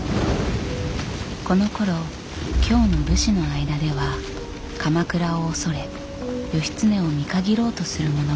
このころ京の武士の間では鎌倉を恐れ義経を見限ろうとする者が出始めている。